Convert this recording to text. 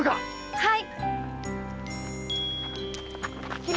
はい。